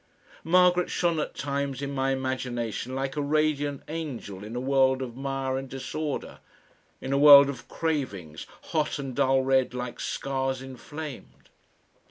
Margaret shone at times in my imagination like a radiant angel in a world of mire and disorder, in a world of cravings, hot and dull red like scars inflamed....